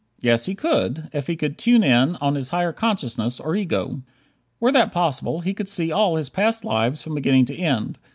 Yes, he could if he could "tune in" on his higher consciousness, or ego. Were that possible, he could see all his past lives from beginning to end.